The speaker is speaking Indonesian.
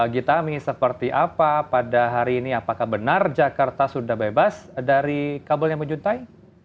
gita mi seperti apa pada hari ini apakah benar jakarta sudah bebas dari kabel yang menjuntai